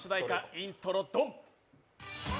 イントロ・ドン。